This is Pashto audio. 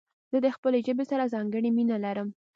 زه د خپلي ژبي سره ځانګړي مينه لرم.